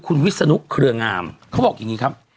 คุณวิศนุเครืองามเขาบอกอย่างนี้ครับ